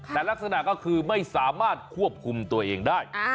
แต่ลักษณะก็คือไม่สามารถควบคุมตัวเองได้